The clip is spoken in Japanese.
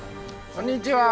こんにちは。